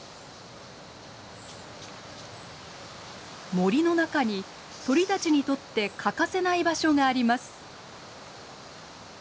森の中に鳥たちにとって欠かせない場所があります。